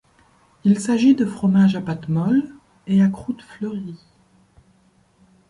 Il s'agit de fromages à pâte molle et à croûte fleurie.